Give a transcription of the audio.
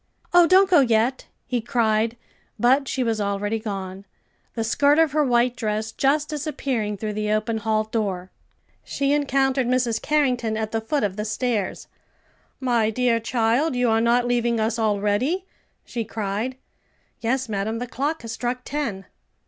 "Oh, don't go yet!" he cried, but she was already gone, the skirt of her white dress just disappearing through the open hall door. She encountered Mrs. Carrington at the foot of the stairs. "My dear child, you are not leaving us already?" she cried. "Yes, madam; the clock has struck ten."